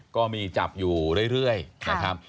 ก็มีจับอยู่เรื่อยนะครับ